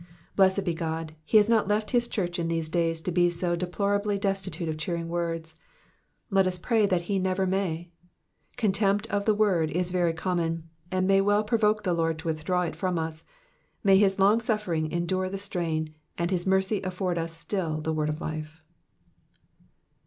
Blessed be God, he has not left his church in these days to be so deplorably destitute of cheering words ; let us pray that he never may. Contempt of the word is very common, and may well provoke the Lord to withdraw it from us ; may his long suffering endure the strain, and his mercy afford us still the word of life.